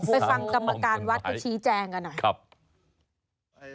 ไปฟังกรรมการวัดคุณชีแจงกันหน่อย